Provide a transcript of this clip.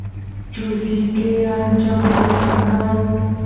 chusiyke ancha mawka kan